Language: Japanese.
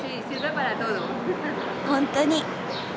本当に。